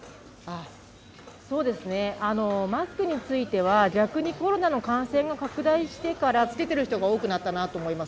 マスクについては逆にコロナの感染が拡大してから着けている人が多くなったと思います。